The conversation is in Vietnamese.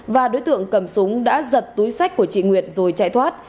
và đối tượng cầm súng đã giật túi sách của chị nguyệt rồi chạy thoát